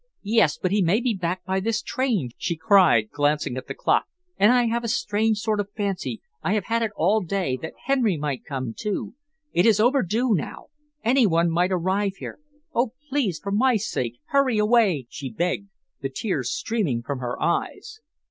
"Yes, but he may be back by this train," she cried, glancing at the clock, "and I have a strange sort of fancy I have had it all day that Henry might come, too. It is overdue now. Any one might arrive here. Oh, please, for my sake, hurry away!" she begged, the tears streaming from her eyes.